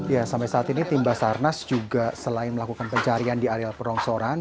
ya sampai saat ini tim basarnas juga selain melakukan pencarian di area perongsoran